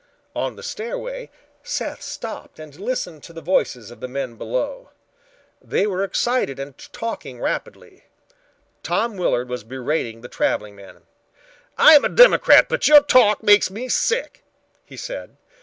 On the stairway Seth stopped and listened to the voices of the men below. They were excited and talked rapidly. Tom Willard was berating the traveling men. "I am a Democrat but your talk makes me sick," he said.